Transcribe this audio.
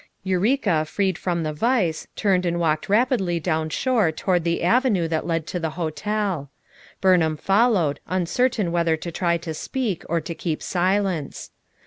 Eureka, freed from the vise, turned and walked rapidly down the shore toward the avenue that led to the hotel. Burnkam fol lowed, uncertain whether to try to speak, or to keep silence.